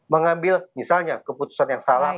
mengambil misalnya keputusan yang salah